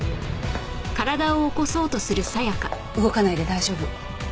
動かないで大丈夫。